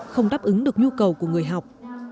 không đáp ứng được nhu cầu của người học